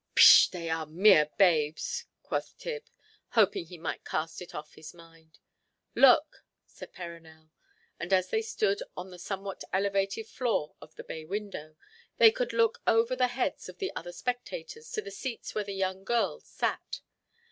"Pish, they are mere babes!" quoth Tib, hoping he might cast it off his mind. "Look!" said Perronel; and as they stood on the somewhat elevated floor of the bay window, they could look over the heads of the other spectators to the seats where the young girls sat.